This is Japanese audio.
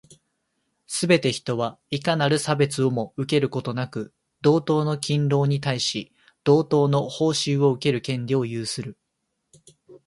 すべて人は、いかなる差別をも受けることなく、同等の勤労に対し、同等の報酬を受ける権利を有する。